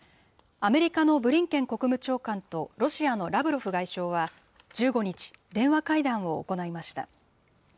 アメリカのブリンケン国務長官とロシアのラブロフ外相は１５日、電話会談を行いました。